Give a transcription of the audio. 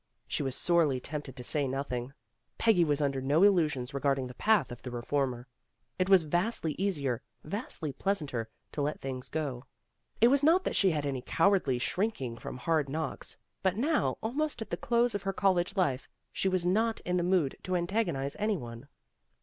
She was sorely tempted to say nothing. Peggy was under no illusions regarding the path of the reformer. It was vastly easier, vastly pleasanter, to let things go. It was not that she had any cowardly shrinking from hard knocks, but now, almost at the close of her college life, she was not in the mood to antagonize any one.